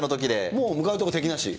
もう向かうところ敵なし。